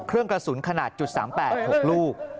เครื่องกระสุนขนาดจุดสามแปด๖ลูก